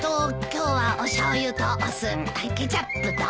今日はおしょうゆとお酢ケチャップと。